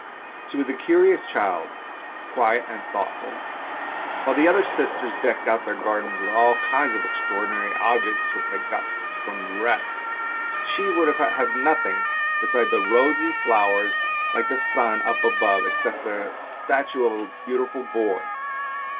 She was a curious child, quiet and thoughtful, and while the other sisters decked out their gardens with all kinds of extraordinary objects which they got from wrecks, she would have nothing besides the rosy flowers like the sun up above, except a statue of a beautiful boy.